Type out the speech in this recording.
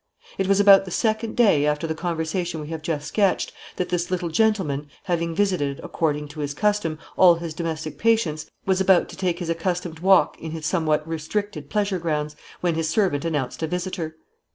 It was about the second day after the conversation we have just sketched, that this little gentleman, having visited, according to his custom, all his domestic patients, was about to take his accustomed walk in his somewhat restricted pleasure grounds, when his servant announced a visitor.